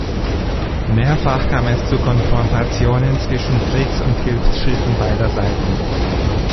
Mehrfach kam es zu Konfrontationen zwischen Kriegs- und Hilfsschiffen beider Seiten.